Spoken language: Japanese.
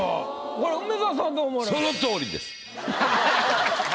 これ梅沢さんどう思われますか？